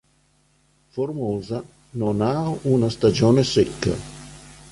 Formosa non ha una stagione secca.